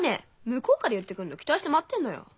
向こうから言ってくるのを期待して待ってんのよ。